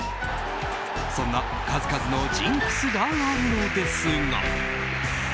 そんな数々のジンクスがあるのですが。